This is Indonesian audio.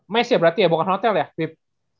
mestel ya berarti ya bukan hotel ya bip